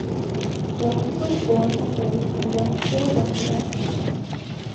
Jones was born and raised in West Philadelphia.